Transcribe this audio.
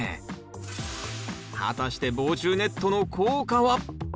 果たして防虫ネットの効果は？